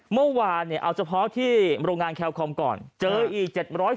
เมื่อวานเนี่ยเอาเฉพาะที่โรงงานแคลคอมก่อนเจออีก